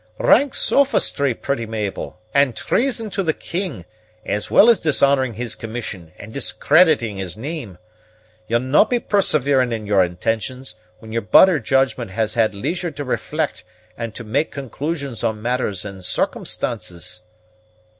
"Rank sophistry, pretty Mabel, and treason to the king, as well as dishonoring his commission and discrediting his name. You'll no' be persevering in your intentions, when your better judgment has had leisure to reflect and to make conclusions on matters and circumstances."